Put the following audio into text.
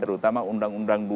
terutama undang undang dua